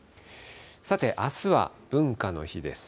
さて、あすは文化の日です。